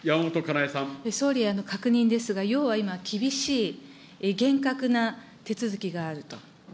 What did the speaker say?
総理、確認ですが、要は今、厳しい厳格な手続きがあると。